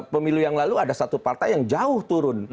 pemilu yang lalu ada satu partai yang jauh turun